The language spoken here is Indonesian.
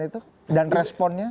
itu dan responnya